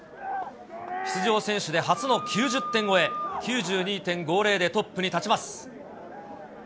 出場選手で初の９０点超え、９２．５０でトップに立ちます。